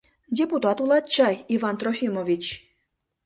Депутат улат чай, Иван Трофимович?